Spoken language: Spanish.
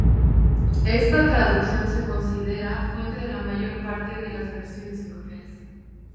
Esta traducción se considera fuente de la mayor parte de las versiones europeas.